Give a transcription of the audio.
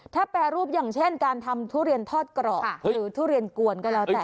ถ้าแปรรูปอย่างเช่นการทำทุเรียนทอดกรอบหรือทุเรียนกวนก็แล้วแต่